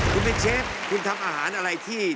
คุณเป็นเชฟคุณทำอาหารอะไรที่